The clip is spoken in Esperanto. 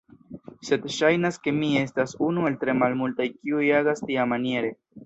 Sed saĵnas ke mi estas unu el tre malmultaj kiuj agas tiamaniere.